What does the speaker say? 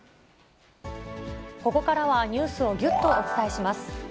ここからは、ニュースをぎゅっとお伝えします。